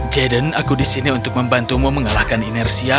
jaden aku disini untuk membantumu mengalahkan inersia